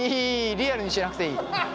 リアルにしなくていい。